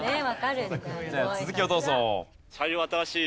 続きをどうぞ。